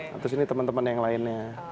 terus ini teman teman yang lainnya